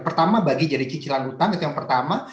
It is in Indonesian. pertama bagi jadi cicilan utang itu yang pertama